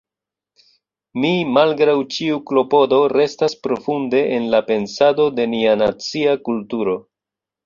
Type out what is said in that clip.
Mi malgraŭ ĉiu klopodo restas profunde en la pensado de nia nacia kulturo.